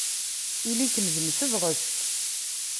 Ili-kem d mm tebɣest.